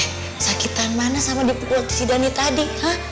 eh sakitan mana sama dipukul si dani tadi